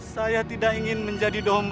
saya tidak ingin menjadi domba